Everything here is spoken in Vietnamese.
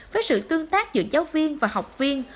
với sự tương tác giữa giáo viên và học viên